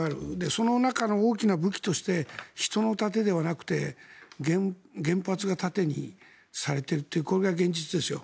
その中の大きな武器として人の盾ではなくて原発が盾にされているというこれが現実ですよ。